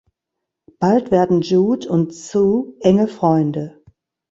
Bald werden Jude und Sue enge Freunde.